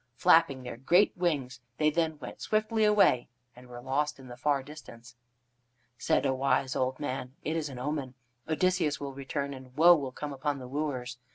Flapping their great wings, they then went swiftly away and were lost in the far distance. Said a wise old man: "It is an omen. Odysseus will return, and woe will come upon the wooers.